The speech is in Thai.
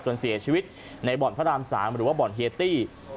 เสียชีวิตในบ่อนพระราม๓หรือว่าบ่อนเฮียตี้